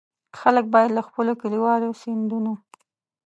خلک باید له خپلو کلیوالو سیندونو.